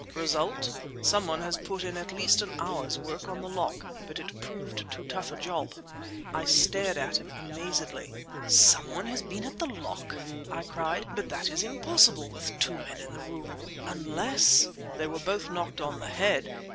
Result—someone has put in at least an hour's work on the lock, but it proved too tough a job!" I stared at him amazedly. "Someone has been at the lock!" I cried. "But that is impossible, with two men in the room—unless—" "They were both knocked on the head!"